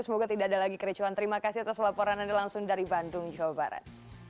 semoga tidak ada lagi kericuan terima kasih atas laporan anda langsung dari bandung jawa barat